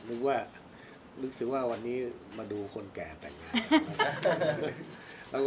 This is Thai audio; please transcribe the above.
รู้สึกว่ารู้สึกว่าวันนี้มาดูคนแก่แต่งงาน